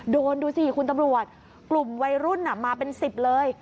ดูสิคุณตำรวจกลุ่มวัยรุ่นมาเป็น๑๐เลย